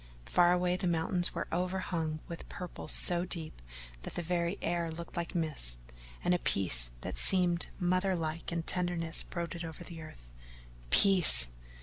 Far away the mountains were overhung with purple so deep that the very air looked like mist, and a peace that seemed motherlike in tenderness brooded over the earth. Peace!